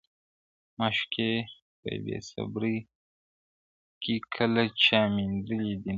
معشوقې په بې صبري کي کله چا میندلي دینه-